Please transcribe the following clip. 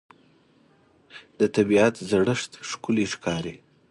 د طبیعت زړښت ښکلی ښکاري